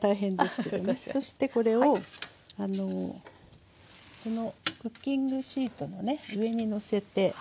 そしてこれをこのクッキングシートのね上にのせて。